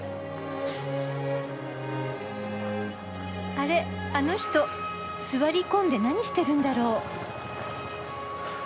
あれあの人座り込んで何してるんだろう？